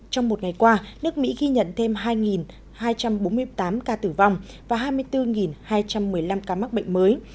trong một ngày qua nước mỹ ghi nhận thêm hai hai trăm bốn mươi tám ca tử vong và hai mươi bốn hai trăm một mươi năm ca mắc bệnh mới